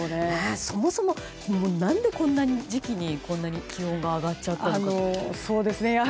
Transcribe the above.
そもそも、なぜこの時期にこんなに気温が上がっちゃったんですか。